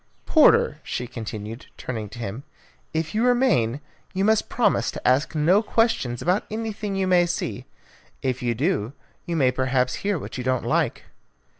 Porter," she continued, turning to him, "if you remain, you must promise to ask no questions about anything you may see. If you do, you may perhaps hear what you don't like."